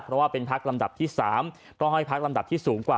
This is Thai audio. เพราะว่าเป็นภักดิ์ลำดับที่๓ก็ให้ภักดิ์ลำดับที่สูงกว่า